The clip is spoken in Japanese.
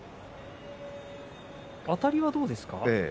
あたりはどうですか。